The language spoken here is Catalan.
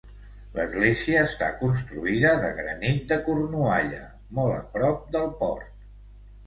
L'església està construïda de granit de Cornualla, molt a prop del port.